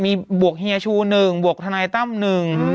มีบวกเฮียชู๑บวกทนายตั้ม๑เนี่ย